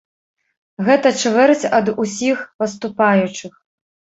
Гэта чвэрць ад усіх паступаючых.